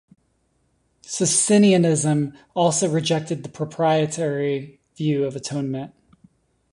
Socinianism also rejected the propitiatory view of atonement.